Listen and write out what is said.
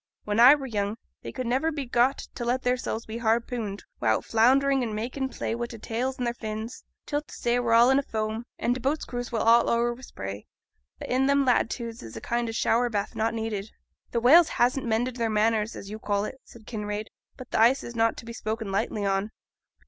When I were young, they could niver be got to let theirsels be harpooned wi'out flounderin' and makin' play wi' their tales and their fins, till t' say were all in a foam, and t' boats' crews was all o'er wi' spray, which i' them latitudes is a kind o' shower bath not needed.' 'Th' whales hasn't mended their manners, as you call it,' said Kinraid; 'but th' ice is not to be spoken lightly on.